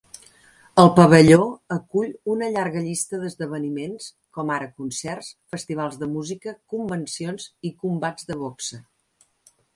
El pavelló acull una llarga llista d'esdeveniments, com ara concerts, festivals de música, convencions i combats de boxa.